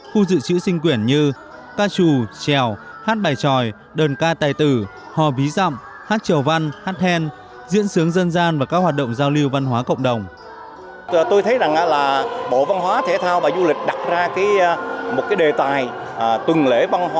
khu dự trữ sinh quyển như ca trù trèo hát bài tròi đơn ca tài tử hò ví dọng hát trèo văn hát then